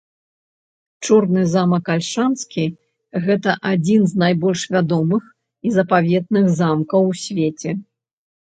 Чорны замак Альшанскі - гэта адзін з найбольш вядомых і запаветных замкаў у свеце.